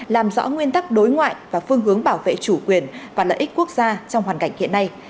làm rõ nguyên tắc đối ngoại và phương hướng bảo vệ chủ quyền và lợi ích quốc gia trong hoàn cảnh hiện nay